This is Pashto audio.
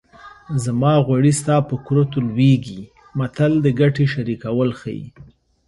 زما غوړي ستا په کورتو لوېږي متل د ګټې شریکول ښيي